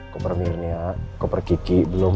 koper mirna koper kiki belum